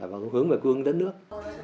và hướng về cương đất nước